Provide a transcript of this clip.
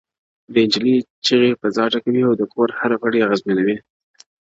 د نجلۍ چيغې فضا ډکوي او د کور هر غړی اغېزمنوي,